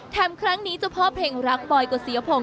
แถมครั้งนี้เจ้าพ่อเพลงรักบ่อยก็เสียผง